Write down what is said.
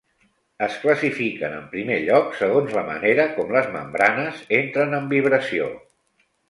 Es classifiquen, en primer lloc, segons la manera com les membranes entren en vibració.